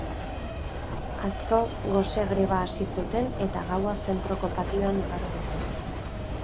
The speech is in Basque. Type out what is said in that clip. Atzo gose greba hasi zuten eta gaua zentroko patioan igaro dute.